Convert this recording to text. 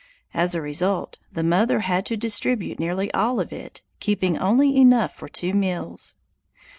As a result, the mother had to distribute nearly all of it, keeping only enough for two meals.